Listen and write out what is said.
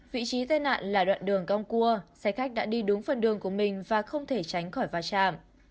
vị trí tai nạn là đoạn đường cong cua xe khách đã đi đúng phần đường của mình và không thể tránh khỏi va chạm